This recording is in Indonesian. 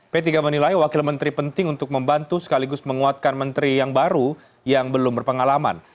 p tiga menilai wakil menteri penting untuk membantu sekaligus menguatkan menteri yang baru yang belum berpengalaman